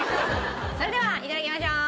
それではいただきましょう。